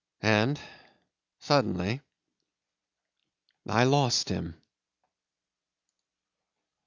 ... And, suddenly, I lost him.